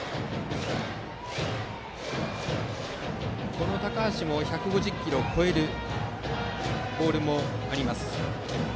この高橋も１５０キロを超えるボールがあります。